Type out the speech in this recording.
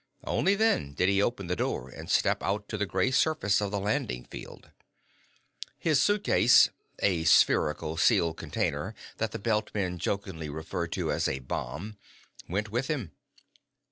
Only then did he open the door and step out to the gray surface of the landing field. His suitcase a spherical, sealed container that the Belt men jokingly referred to as a "bomb" went with him.